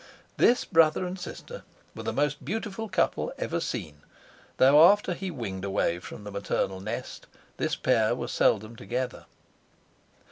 This brother and sister were the most beautiful couple ever seen; though after he winged away from the maternal nest this pair were seldom together.